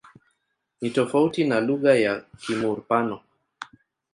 Ni tofauti na lugha ya Kimur-Pano.